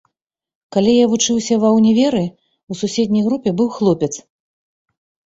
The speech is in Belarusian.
Калі я вучыўся ва ўніверы, у суседняй групе быў хлопец.